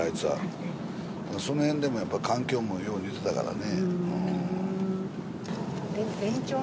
その辺でも、環境もよう似てたからね。